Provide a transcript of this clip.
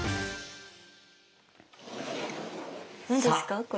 何ですかこれ？